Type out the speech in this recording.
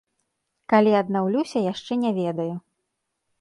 Калі аднаўлюся, яшчэ не ведаю.